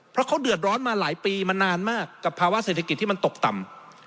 เพราะเขาเดือดร้อนมาหลายปีมานานมากกับภาวะเศรษฐกิจที่มันตกต่ำ